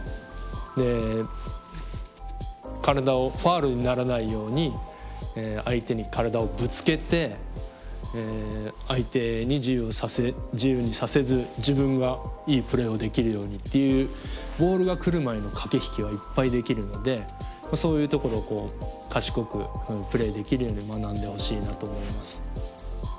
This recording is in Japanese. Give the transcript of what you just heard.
で体をファウルにならないように相手に体をぶつけて相手に自由にさせず自分がいいプレーをできるようにっていうボールが来る前の駆け引きはいっぱいできるのでそういうところを賢くプレーできるように学んでほしいなと思います。